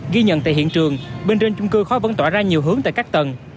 ghi nhận tại hiện trường bên trên chung cư khói vẫn tỏa ra nhiều hướng tại các tầng